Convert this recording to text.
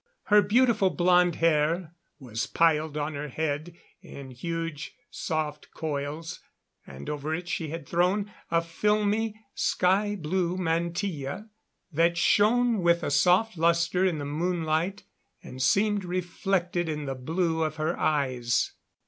Her beautiful blond hair was piled on her head in huge soft coils, and over it she had thrown a filmy, sky blue mantilla that shone with a soft luster in the moonlight and seemed reflected in the blue of her eyes.